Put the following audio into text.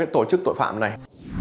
nội bộ tổ chức tội phạm này